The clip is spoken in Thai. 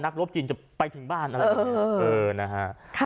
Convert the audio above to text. นักรบจีนจะไปถึงบ้านอะไรแบบนี้ฮะเออนะฮะ